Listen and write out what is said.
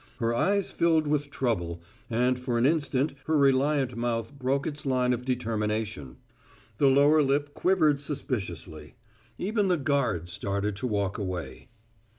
Her eyes filled with trouble, and for an instant her reliant mouth broke its line of determination; the lower lip quivered suspiciously. Even the guard started to walk away.